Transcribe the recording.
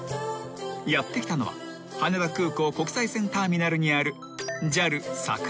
［やって来たのは羽田空港国際線ターミナルにある］